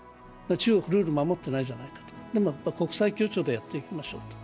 中国はルールを守っていないじゃないかと、やっぱり国際協調でやっていきましょうと。